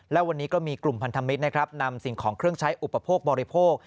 และวันนี้ก็มีกลุ่มพันธมิตรนะครับนำสิ่งของเครื่องใช้อุปโภคบริโภค